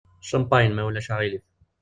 Champagne, ma ulac aɣilif.